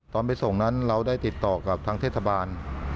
ไปส่งนั้นเราได้ติดต่อกับทางเทศบาล